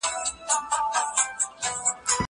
زه له سهاره لوبه کوم!